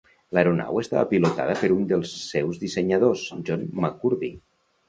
L'aeronau estava pilotada per un dels seus dissenyadors, John McCurdy.